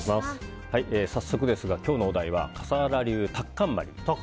早速ですが今日のお題は笠原流タッカンマリ。